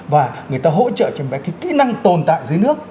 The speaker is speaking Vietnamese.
và người ta hỗ trợ cho em bé cái kỹ năng tồn tại dưới nước